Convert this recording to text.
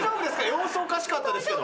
様子おかしかったですけど。